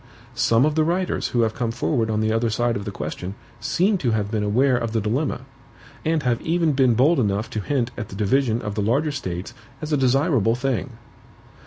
Some of the writers who have come forward on the other side of the question seem to have been aware of the dilemma; and have even been bold enough to hint at the division of the larger States as a desirable thing.